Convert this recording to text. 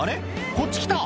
こっち来た」